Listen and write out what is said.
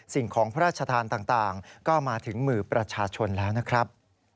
สิ่งของพระราชทานต่างก็มาถึงมือประชาชนแล้วนะครับ